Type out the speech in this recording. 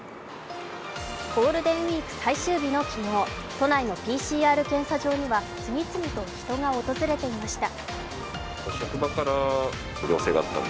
ゴールデンウイーク最終日の昨日、都内のＰＣＲ検査場には次々と人が訪れていました。